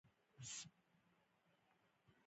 د جام منار د نړۍ تر ټولو لوړ خټین منار دی